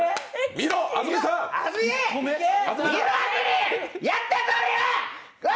見ろ、安住、やったぞ俺は！